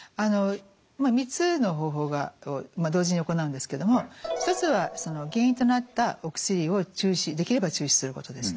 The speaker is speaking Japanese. ３つの方法がまあ同時に行うんですけども一つは原因となったお薬をできれば中止することですね。